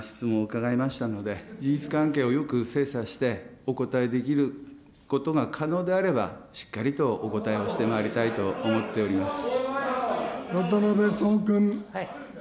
今委員から、初めて具体的な質問を伺いましたので、事実関係をよく精査してお答えできることが可能であればしっかりとお応えをしてまいりたいと思っております。